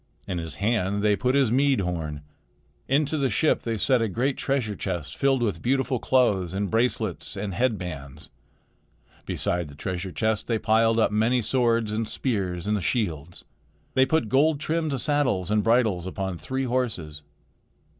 In his hand they put his mead horn. Into the ship they set a great treasure chest filled with beautiful clothes and bracelets and head bands. Beside the treasure chest they piled up many swords and spears and shields. They put gold trimmed saddles and bridles upon three horses.